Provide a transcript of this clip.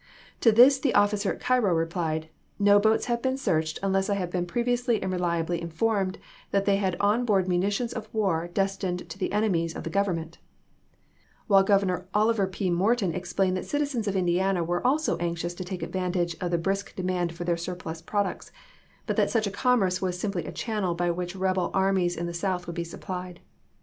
To this the officer at Cairo replied, "No boats have been searched unless I had been previously and reliably informed that they had on board munitions of war destined to the enemies of the Government" ; while Governor Oliver P.Morton explained that citizens of Indiana were also anxious to take advantage of the brisk demand for their surplus products ; but that such a commerce was simply a channel by which rebel armies in the South would be supplied.